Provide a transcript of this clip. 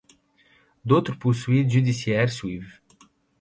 D'autres poursuites judiciaires suivent.